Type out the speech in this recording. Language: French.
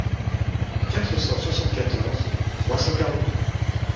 quatre cent soixante-quatorze trois cent quarante-deux.